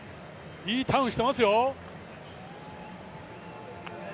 いいターンしてますよ。